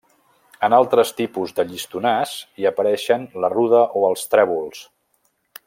En altres tipus de llistonars hi apareixen la ruda o els trèvols.